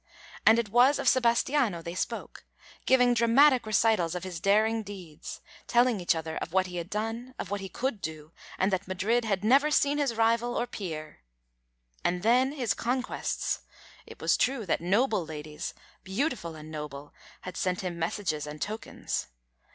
And it was of Sebastiano they spoke, giving dramatic recitals of his daring deeds, telling each other of what he had done, of what he could do, and that Madrid had never seen his rival or peer. And then his conquests. It was true that noble ladies beautiful and noble had sent him messages and tokens.